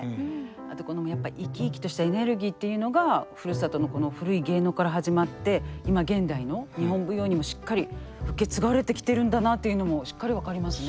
あとやっぱり生き生きとしたエネルギーっていうのがふるさとの古い芸能から始まって今現代の日本舞踊にもしっかり受け継がれてきてるんだなっていうのもしっかり分かりますね。